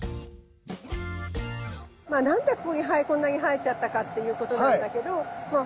まあ何でここにこんなに生えちゃったかっていうことなんだけどまあ